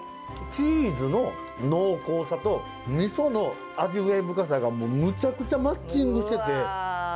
チーズの濃厚さとみその味わい深さがむちゃくちゃマッチングしてて。